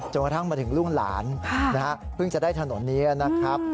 จนกระทั่งมาถึงรุ่งหลานนะครับเพิ่งจะได้ถนนนี้นะครับ